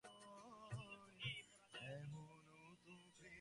এমন দুই জন মুনি বাহির করিতে পারা যায় না, যাঁহাদের পরস্পরের মতভেদ নাই।